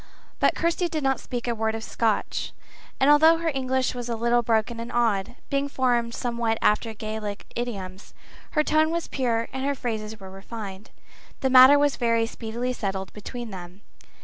But Kirsty did not speak a word of Scotch, and although her English was a little broken and odd, being formed somewhat after Gaelic idioms, her tone was pure and her phrases were refined. The matter was very speedily settled between them.